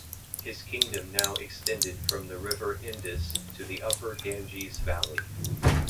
His kingdom now extended from the River Indus to the upper Ganges valley.